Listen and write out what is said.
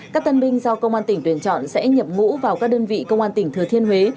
các tân binh do công an tỉnh tuyển chọn sẽ nhập ngũ vào các đơn vị công an tỉnh thừa thiên huế